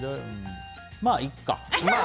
まあいっか。